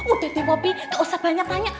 udah deh popi gak usah banyak tanya